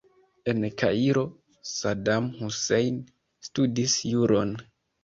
En Kairo Saddam Hussein studis juron.